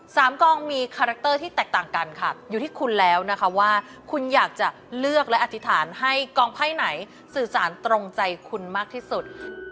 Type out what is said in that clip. กองมีคาแรคเตอร์ที่แตกต่างกันค่ะอยู่ที่คุณแล้วนะคะว่าคุณอยากจะเลือกและอธิษฐานให้กองไพ่ไหนสื่อสารตรงใจคุณมากที่สุด